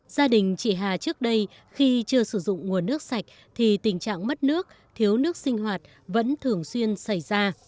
gia đình chị hà trước đây khi chưa sử dụng nguồn nước sạch thì tình trạng mất nước thiếu nước sinh hoạt vẫn thường xuyên xảy ra